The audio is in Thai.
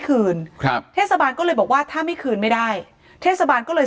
คืนครับเทศบาลก็เลยบอกว่าถ้าไม่คืนไม่ได้เทศบาลก็เลย